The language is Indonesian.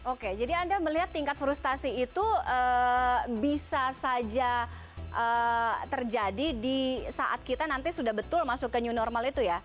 oke jadi anda melihat tingkat frustasi itu bisa saja terjadi di saat kita nanti sudah betul masuk ke new normal itu ya